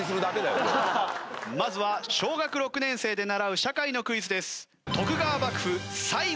まずは小学６年生で習う社会のクイズです。